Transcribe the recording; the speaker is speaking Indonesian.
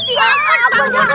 iya aku juga